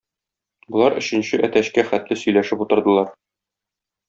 Болар өченче әтәчкә хәтле сөйләшеп утырдылар.